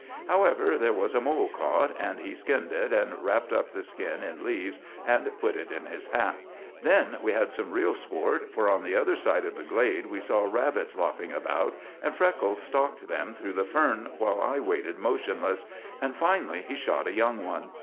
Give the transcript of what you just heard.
However, there was a mole caught, and he skinned it and wrapped up the skin in leaves and put it in his hat. Then we had some real sport, for on the other side of the glade we saw rabbits lopping about, and Freckles stalked them through the fern while I waited motionless, and finally he shot a young one.